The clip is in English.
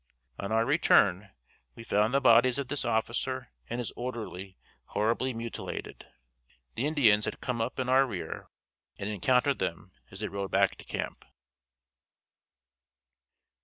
On our return trip we found the bodies of this officer and his orderly horribly mutilated. The Indians had come up in our rear and encountered them as they rode back to camp.